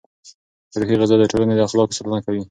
روحي غذا د ټولنې اخلاقو ساتنه کوي.